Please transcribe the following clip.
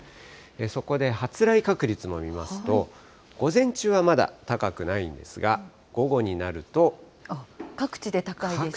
そこで発雷確率も見ますと、午前中はまだ高くないんですが、各地で高いですね。